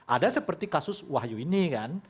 ada seperti kasus wahyu ini kan